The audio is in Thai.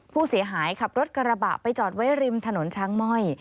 ผู้เสียหายขับรถกระบะไปจอดไว้ริมถนนช้างม่อย